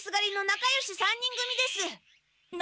なかよし３人組？